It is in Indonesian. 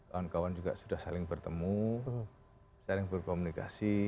kawan kawan juga sudah saling bertemu saling berkomunikasi